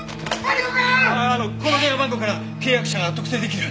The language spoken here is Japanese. あのこの電話番号から契約者が特定出来る。